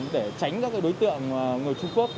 để tránh các đối tượng người trung quốc